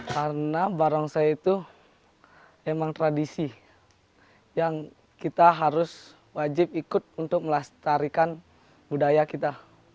karena barongsai itu emang tradisi yang kita harus wajib ikut untuk melestarikan budaya kita